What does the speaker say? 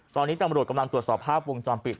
ตอนนี้ตำรวจกำลังตรวจสอบภาพวงจรปิด